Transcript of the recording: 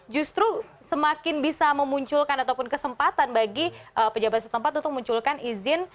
justru semakin bisa memunculkan ataupun kesempatan bagi pejabat setempat untuk munculkan izin